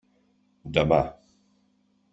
Demà.